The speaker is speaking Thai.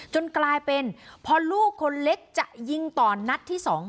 กลายเป็นพอลูกคนเล็กจะยิงต่อนัดที่๒